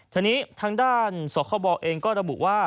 ทีนี้ทางด้านสคบเองก็ระบุว่า